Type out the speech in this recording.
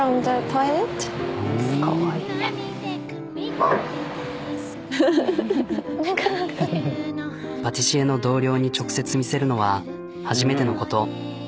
パティシエの同僚に直接見せるのは初めてのこと。